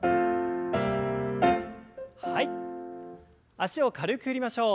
脚を軽く振りましょう。